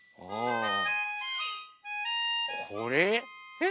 えっ？